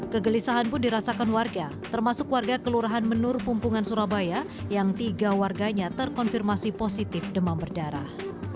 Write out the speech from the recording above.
kegelisahan pun dirasakan warga termasuk warga kelurahan menur pumpungan surabaya yang tiga warganya terkonfirmasi positif demam berdarah